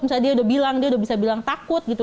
misalnya dia udah bilang dia udah bisa bilang takut gitu